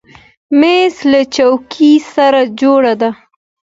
مېز له چوکۍ سره جوړه ده.